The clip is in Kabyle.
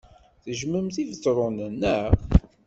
Tejjmemt Ibetṛunen, naɣ?